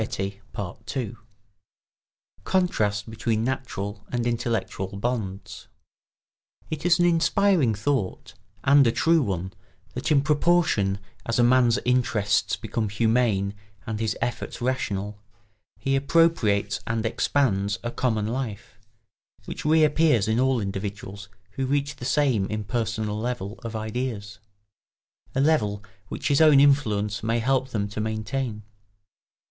[Sidenote: Contrast between natural and intellectual bonds.] It is an inspiring thought, and a true one, that in proportion as a man's interests become humane and his efforts rational, he appropriates and expands a common life, which reappears in all individuals who reach the same impersonal level of ideas—a level which his own influence may help them to maintain.